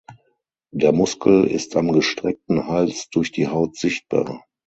Der Muskel ist am gestreckten Hals durch die Haut sichtbar.